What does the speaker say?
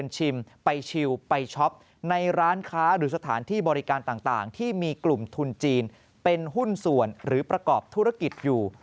ที่จีนเป็นหุ้นส่วนหรือประกอบธุรกิจอยู่